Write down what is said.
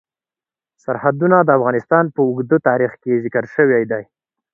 سرحدونه د افغانستان په اوږده تاریخ کې ذکر شوی دی.